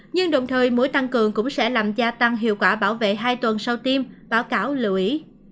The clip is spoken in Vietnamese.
nhưng đồng thời mũi tăng cường cũng sẽ làm gia tăng hiệu quả bảo vệ hai tuần sau tiêm báo cáo lưu ý